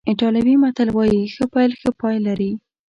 ایټالوي متل وایي ښه پیل ښه پای لري.